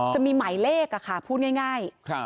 จะมีหมายเลขค่ะพูดง่าย